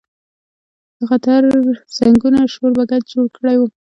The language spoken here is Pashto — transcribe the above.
د خطر زنګونو شور بګت جوړ کړی و.